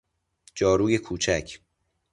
جاروی کوچک